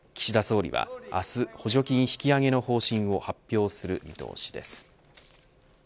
岸田総理は明日補助金引き上げの方針を発表する見通しです。